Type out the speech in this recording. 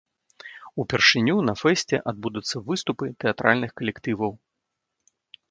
Упершыню на фэсце адбудуцца выступы тэатральных калектываў.